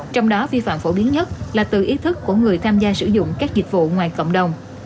trong đó vi phạm phổ biến nhất là từ ý thức của người tham gia sử dụng các dịch vụ ngoài cộng đồng